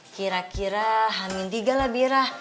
kira kira hamil tiga lah birah